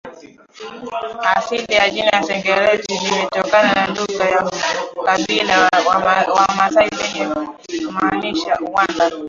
Asili ya jina Serengeti limetokana na lugha ya Kabila la Wamaasai lenye kumaanisha uwanda